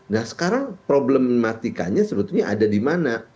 nah sekarang problematikanya sebetulnya ada di mana